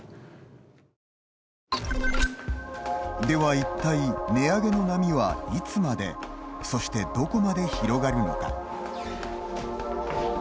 では、一体値上げの波は、いつまでそしてどこまで広がるのか。